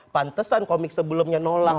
pantesan komik sebelumnya nolak